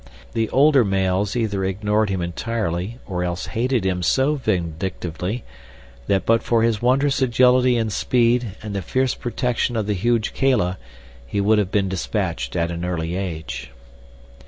The older males either ignored him entirely or else hated him so vindictively that but for his wondrous agility and speed and the fierce protection of the huge Kala he would have been dispatched at an early age.